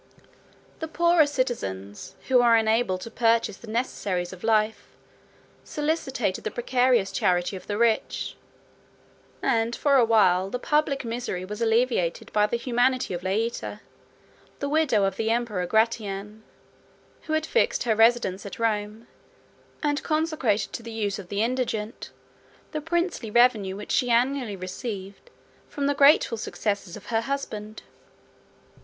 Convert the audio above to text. The poorer citizens, who were unable to purchase the necessaries of life, solicited the precarious charity of the rich; and for a while the public misery was alleviated by the humanity of Laeta, the widow of the emperor Gratian, who had fixed her residence at Rome, and consecrated to the use of the indigent the princely revenue which she annually received from the grateful successors of her husband.